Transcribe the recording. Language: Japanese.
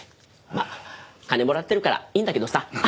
まあ金もらってるからいいんだけどさ。